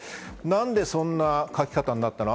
なんでそんな書き方になったの？